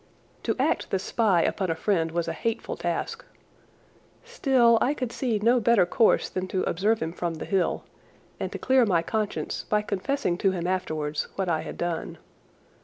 To act the spy upon a friend was a hateful task. Still, I could see no better course than to observe him from the hill, and to clear my conscience by confessing to him afterwards what I had done.